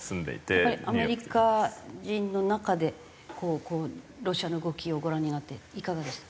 やっぱりアメリカ人の中でこうロシアの動きをご覧になっていかがです？